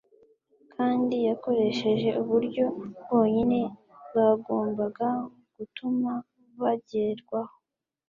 kandi Yakoresheje uburyo bwonyine bwagombaga gutuma bagerwaho